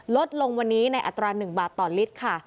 ลดลงวันนี้ในอัตรา๑บาทต่อลิตรค่ะ